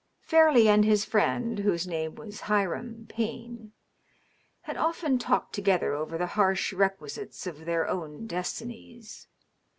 Fairleigh and his friend (whose name was Hiram Payne) had oft^en talked together over the harsh requisites of their own destinies.